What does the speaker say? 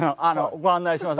ご案内します。